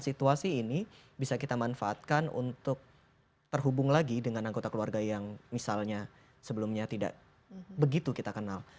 situasi ini bisa kita manfaatkan untuk terhubung lagi dengan anggota keluarga yang misalnya sebelumnya tidak begitu kita kenal